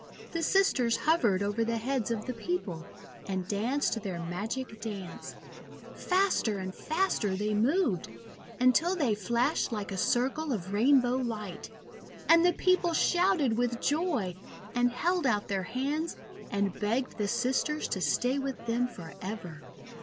The Sisters hovered over the heads of the people, and danced their magic dance. Faster THE SEVEN CORN MAIDENS 379 and faster they moved, until they flashed like a circle of rainbow light. And the people shouted with joy, and held out their hands, and begged the Sisters to stay with them for ever.